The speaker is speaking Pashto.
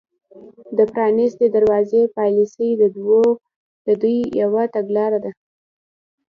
د پرانیستې دروازې پالیسي د دوی یوه تګلاره ده